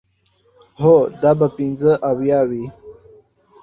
هو، دا به پنځه اویا وي.